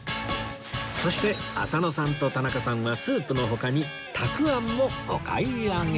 そして浅野さんと田中さんはスープの他にたくあんもお買い上げ